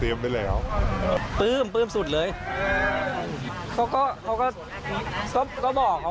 เซอร์ไพส์เหมือนกันใช่ครับไม่ได้บอกเขา